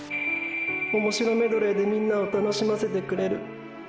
オモシロメドレーでみんなを楽しませてくれる。